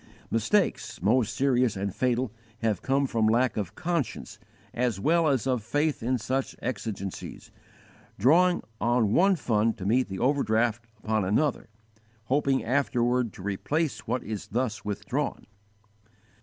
Mistakes, most serious and fatal, have come from lack of conscience as well as of faith in such exigencies drawing on one fund to meet the overdraught upon another, hoping afterward to replace what is thus withdrawn.